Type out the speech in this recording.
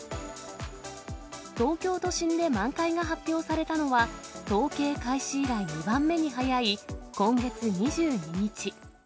東京都心で満開が発表されたのは、統計開始以来２番目に早い今月２２日。